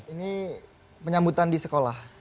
ini penyambutan di sekolah